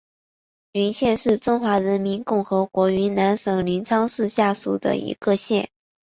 云县是中华人民共和国云南省临沧市下属的一个县。